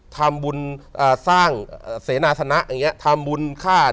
ทำบุญเอ่อสร้างเอ่อเสนาสนะอย่างเงี้ยทำบุญค่า